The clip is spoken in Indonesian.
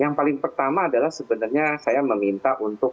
yang paling pertama adalah sebenarnya saya meminta untuk